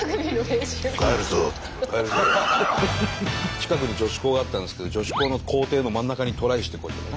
近くに女子校があったんですけど女子校の校庭の真ん中にトライしてこいとかね。